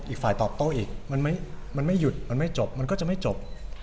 อีกฝ่ายตอบโต้อีกมันไม่หยุดมันไม่จบมันก็จะไม่จบ